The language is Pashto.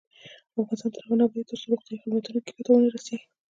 افغانستان تر هغو نه ابادیږي، ترڅو روغتیایی خدمتونه کلیو ته ونه رسیږي.